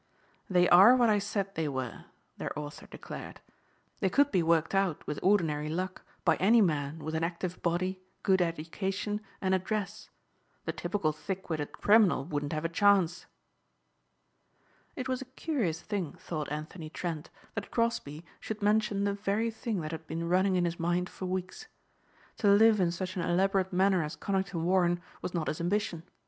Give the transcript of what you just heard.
"They are what I said they were," their author declared. "They could be worked out, with ordinary luck, by any man with an active body, good education and address. The typical thick witted criminal wouldn't have a chance." It was a curious thing, thought Anthony Trent, that Crosbeigh should mention the very thing that had been running in his mind for weeks. To live in such an elaborate manner as Conington Warren was not his ambition.